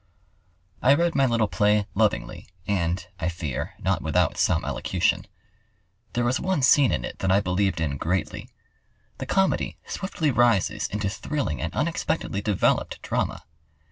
I read my little play lovingly, and, I fear, not without some elocution. There was one scene in it that I believed in greatly. The comedy swiftly rises into thrilling and unexpectedly developed drama.